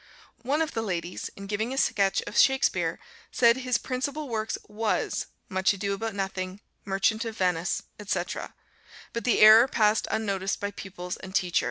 One of the ladies, in giving a sketch of Shakspeare, said "his principal works was 'Much Ado About Nothing,' 'Merchant of Venice,' etc.;" but the error passed unnoticed by pupils and teacher.